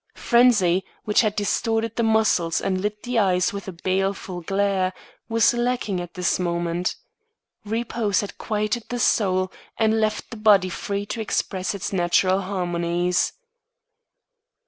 Frenzy, which had distorted the muscles and lit the eyes with a baleful glare, was lacking at this moment. Repose had quieted the soul and left the body free to express its natural harmonies.